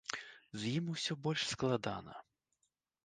З ім усё больш складана.